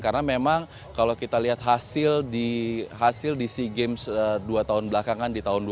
karena memang kalau kita lihat hasil di sea games dua tahun belakangan di tahun dua ribu lima belas dan dua ribu tujuh belas